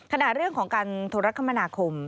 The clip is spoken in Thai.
เรื่องของการโทรคมนาคม